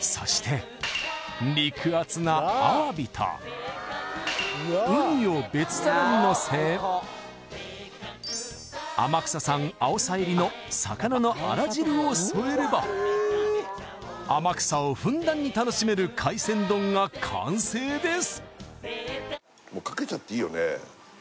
そして肉厚なアワビとウニを別皿にのせ天草産あおさ入りの魚のあら汁を添えれば天草をふんだんに楽しめる海鮮丼が完成です！